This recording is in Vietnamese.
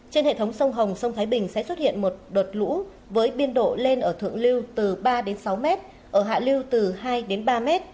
trên hệ thống sông hồng sông thái bình sẽ xuất hiện một đợt lũ với biên độ lên ở thượng lưu từ ba đến sáu m ở hạ lưu từ hai đến ba m